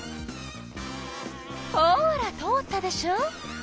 ほら通ったでしょ！